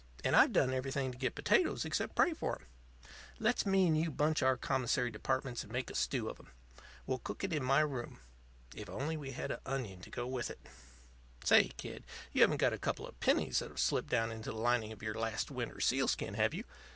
And I've done everything to get potatoes except pray for 'em. Let's me and you bunch our commissary departments and make a stew of 'em. We'll cook it in my room. If we only had an onion to go in it! Say, kid, you haven't got a couple of pennies that've slipped down into the lining of your last winter's sealskin, have you?